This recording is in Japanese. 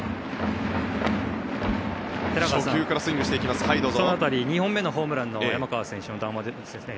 寺川さんその辺り、２本目のホームランの山川選手の談話です。